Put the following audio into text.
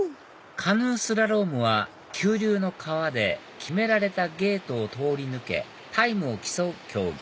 カヌースラロームは急流の川で決められたゲートを通り抜けタイムを競う競技